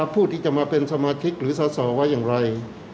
ผู้ที่จะมาเป็นสมาชิกหรือสอสอไว้อย่างไร